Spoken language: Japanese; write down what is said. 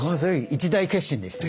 一大決心でした。